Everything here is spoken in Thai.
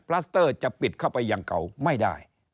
ลัสเตอร์จะปิดเข้าไปยังเก่าไม่ได้